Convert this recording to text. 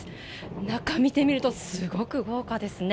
中、見てみるとすごく豪華ですね。